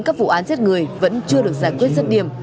các vụ án giết người vẫn chưa được giải quyết rứt điểm